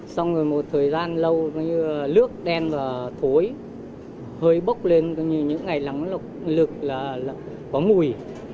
xong rồi một thời gian lâu nước đen và thối hơi bốc lên những ngày lắm lực có mùi